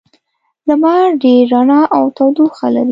لمر ډېره رڼا او تودوخه لري.